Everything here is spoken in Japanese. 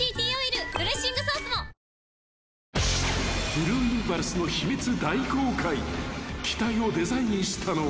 ［ブルーインパルスの秘密大公開］